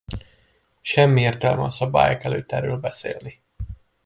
Semmi értelme a szabályok előtt erről beszélni.